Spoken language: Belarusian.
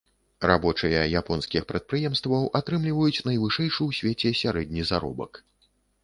Рабочыя японскіх прадпрыемстваў атрымліваюць найвышэйшы ў свеце сярэдні заробак.